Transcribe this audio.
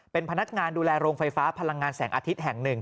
เป็นพนักงานดูแลโรงไฟฟ้าพลังงานแสงอาทิตย์แห่ง๑